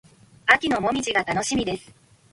秋の紅葉が楽しみです。